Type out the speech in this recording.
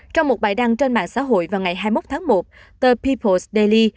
trong một bài đăng trên mạng xã hội vào ngày hai mươi một tháng một tờ people s daily